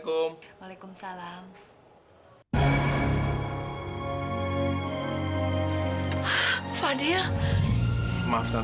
kamila kangen banget sama makan